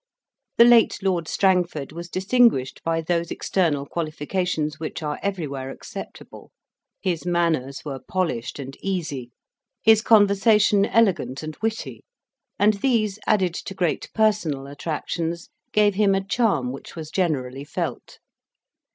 The late Lord Strangford was distinguished by those external qualifications which are everywhere acceptable; his manners were polished and easy, his conversation elegant and witty, and these, added to great personal attractions, gave him a charm which was generally felt.